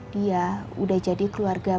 dia udah jadi keluarga